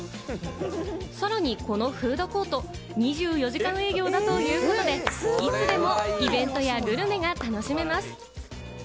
さらにこのフードコート２４時間営業だということで、いつでもイベントやグルメなどが楽しめます。